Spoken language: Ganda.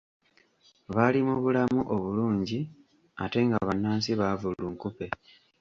Baali mu bulamu obulungi ate nga bannansi baavu lunkupe.